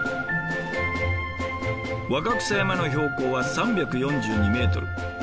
若草山の標高は３４２メートル。